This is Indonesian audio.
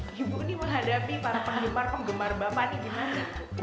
ibu ini menghadapi para penggemar penggemar bapak nih gimana